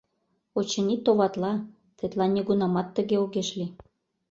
Очыни, товатла: тетла нигунамат тыге огеш лий...